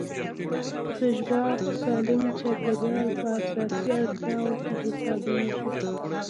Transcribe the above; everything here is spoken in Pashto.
د ژواک سالم چاپېریال په اساسي اړتیاوو کې حسابېږي.